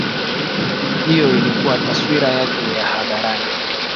Hiyo ilikuwa taswira yake ya hadharani